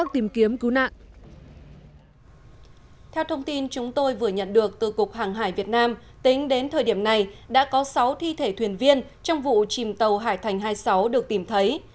theo thông tin chúng tôi vừa nhận được từ cục hàng hải việt nam tính đến thời điểm này đã có sáu thi thể thuyền viên trong vụ chìm tàu hải thành hai mươi sáu được tìm thấy